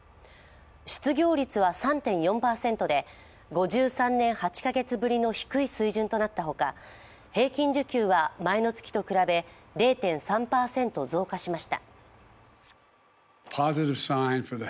失業率は３．４％で、５３年８か月ぶりの低い水準となったほか平均時給は前の月と比べ０．３％増加しました。